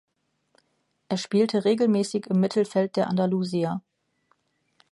Er spielte regelmäßig im Mittelfeld der Andalusier.